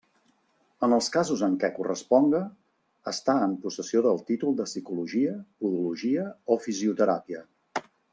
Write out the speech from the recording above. En els casos en què corresponga, estar en possessió del títol de Psicologia, Podologia o Fisioteràpia.